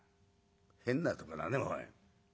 「変なとこだねおい。